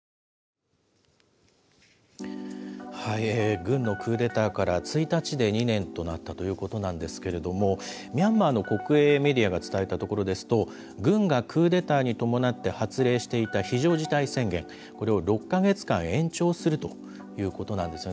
軍のクーデターから１日で２年となったということなんですけれども、ミャンマーの国営メディアが伝えたところですと、軍がクーデターに伴って発令していた非常事態宣言、これを６か月間延長するということなんですよね。